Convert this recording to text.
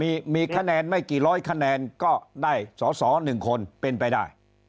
มีคะแนนไม่กี่ร้อยคะแนนก็ได้สอสอ๑คนเป็นไปได้